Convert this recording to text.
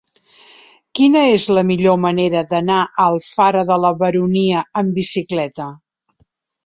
Quina és la millor manera d'anar a Alfara de la Baronia amb bicicleta?